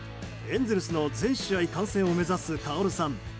エンゼルスの全試合観戦を目指すカオルさん。